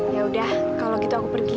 yaudah kalau gitu aku pergi